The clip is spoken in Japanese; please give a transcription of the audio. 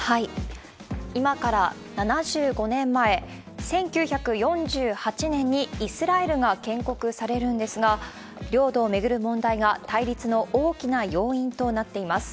今から７５年前、１９４８年にイスラエルが建国されるんですが、領土を巡る問題が対立の大きな要因となっています。